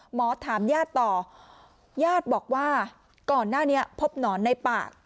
หมอถามญาติต่อญาติบอกว่าก่อนหน้านี้พบหนอนในปาก